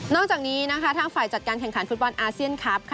นอกจากนี้ทางฝ่ายจัดการแข่งขันฟุตบอลอาเซียนคัพ